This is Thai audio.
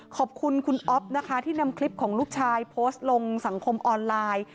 ขอบคุณคุณอ๊อฟนะคะที่นำคลิปของลูกชายโพสต์ลงสังคมออนไลน์